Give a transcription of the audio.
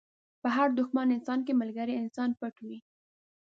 په هر دښمن انسان کې ملګری انسان پټ وي.